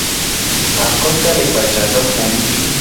Akota le gbaja na folivi.